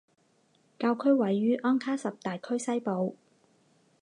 教区位于安卡什大区西部。